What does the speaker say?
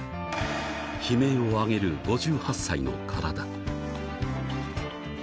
悲鳴を上げる５８歳の体。